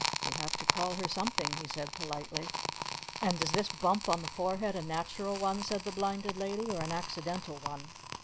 "We have to call her something!" he said politely. "And is this bump on the forehead a natural one?" said the Blinded Lady. "Or an accidental one?"